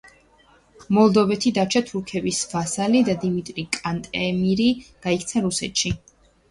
მოლდოვეთი დარჩა თურქების ვასალი და დიმიტრი კანტემირი გაიქცა რუსეთში.